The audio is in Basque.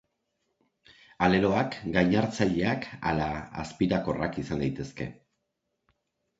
Aleloak gainartzaileak ala azpirakorrak izan daitezke.